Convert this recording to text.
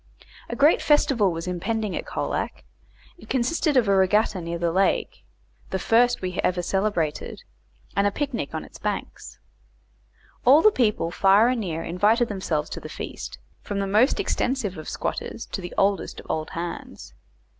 A great festival was impending at Colac, to consist of a regatta on the lake, the first we ever celebrated, and a picnic on its banks. All the people far and near invited themselves to the feast, from the most extensive of squatters to the oldest of old hands.